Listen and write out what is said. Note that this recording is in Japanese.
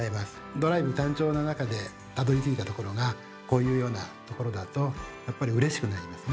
ドライブ単調な中でたどりついたところがこういうようなところだとやっぱりうれしくなりますね。